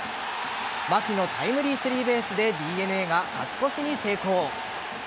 牧のタイムリースリーベースでＤｅＮＡが勝ち越しに成功。